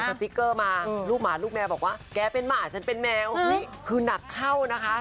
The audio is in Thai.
สติ๊กเกอร์มาลูกหมาลูกแมวบอกว่าแกเป็นหมาฉันเป็นแมวคือหนักเข้านะคะ